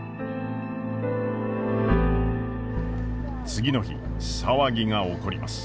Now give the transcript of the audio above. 次の日騒ぎが起こります。